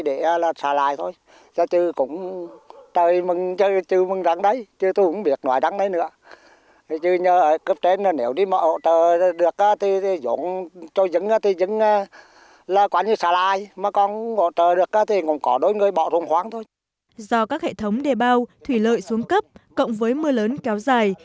do các hệ thống đề bao thủy lợi xuống cấp cộng với mưa lớn kéo dài